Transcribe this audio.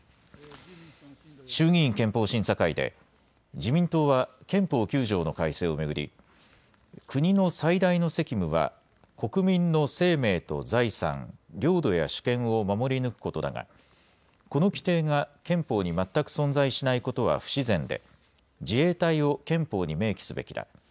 衆議院憲法審査会で、自民党は憲法９条の改正を巡り、国の最大の責務は、国民の生命と財産、領土や主権を守り抜くことだが、この規定が憲法に全く存在しないことは不自然で、自衛隊を憲法に明記すべきだ。